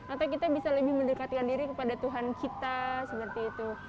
atau kita bisa lebih mendekatkan diri kepada tuhan kita seperti itu